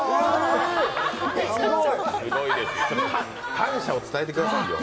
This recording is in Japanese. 感謝を伝えてくださいよ。